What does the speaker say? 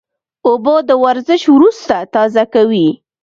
اوبه د ورزش وروسته تازه کوي